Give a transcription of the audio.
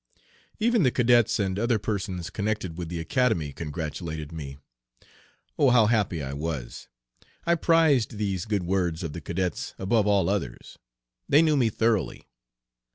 Even the cadets and other persons connected with the Academy congratulated me. Oh how happy I was! I prized these good words of the cadets above all others. They knew me thoroughly.